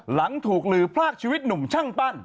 หลังถูกลือพลากชีวิตหนุ่มช่างปั้น